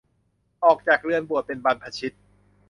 ออกจากเรือนบวชเป็นบรรพชิต